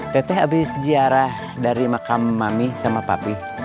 teteh abis jiara dari makam mami sama papi